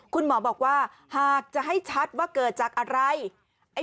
คุณหมอบอกว่าหากจะให้ชัดว่าเกิดจากอะไร